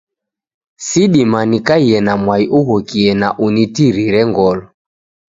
Sidima nikaie na mwai ughokie na unitirire ngolo